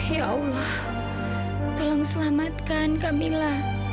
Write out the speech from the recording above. ya allah tolong selamatkan camilla